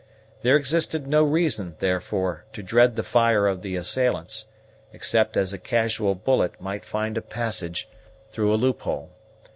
There existed no reason, therefore, to dread the fire of the assailants, except as a casual bullet might find a passage through a loophole.